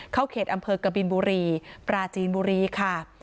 เขตอำเภอกบินบุรีปราจีนบุรีค่ะ